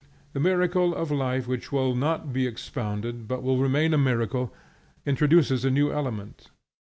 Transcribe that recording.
The miracle of life which will not be expounded but will remain a miracle, introduces a new element.